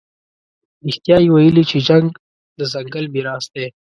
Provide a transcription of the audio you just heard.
رښتیا یې ویلي چې جنګ د ځنګل میراث دی.